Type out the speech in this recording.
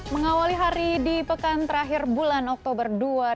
mengawali hari di pekan terakhir bulan oktober dua ribu dua puluh